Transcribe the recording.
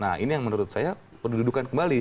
nah ini yang menurut saya pendudukan kembali